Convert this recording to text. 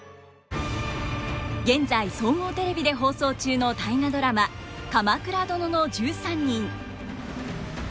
現在総合テレビで放送中の「大河ドラマ鎌倉殿の１３人」。